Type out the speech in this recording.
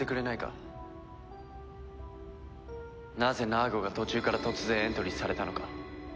なぜナーゴが途中から突然エントリーされたのか。